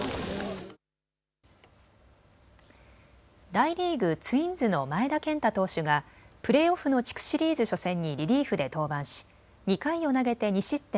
大リーグ、ツインズの前田健太投手がプレーオフの地区シリーズ初戦にリリーフで登板し２回を投げて２失点。